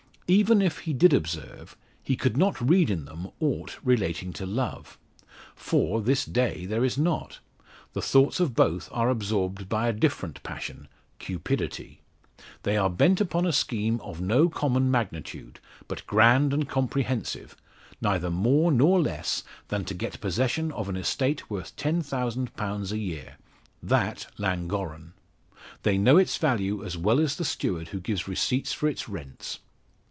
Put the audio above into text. Even if he did observe, he could not read in them aught relating to love. For, this day there is not; the thoughts of both are absorbed by a different passion cupidity. They are bent upon a scheme of no common magnitude, but grand and comprehensive neither more nor less than to get possession of an estate worth 10,000 pounds a year that Llangorren. They know its value as well as the steward who gives receipts for its rents.